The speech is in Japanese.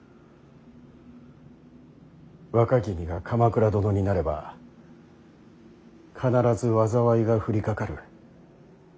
若君が鎌倉殿になれば必ず災いが降りかかる。